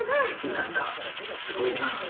なんかすごいな。